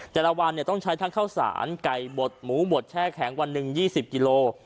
แต่ละวันต้องใช้ทั้งข้าวสารไก่บดหมูบดแช่แข็งวันหนึ่ง๒๐กิโล